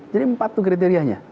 jadi empat tuh kriterianya